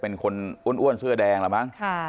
เป็นคนอ้วนเสื้อแดงละมั้ง